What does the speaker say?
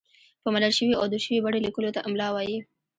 په منل شوې او دود شوې بڼه لیکلو ته املاء وايي.